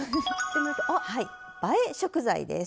はい映え食材です。